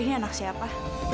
ini anak siapa